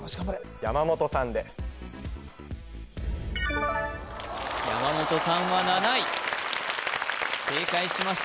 山本さんで山本さんは７位正解しました